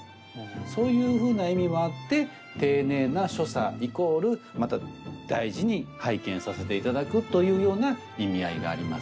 そういうふうな意味もあって丁寧な所作イコールまた大事に拝見させていただくというような意味合いがあります。